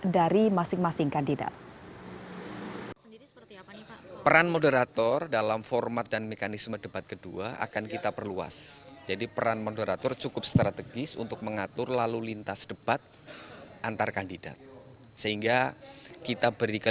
dari masing masing kandidat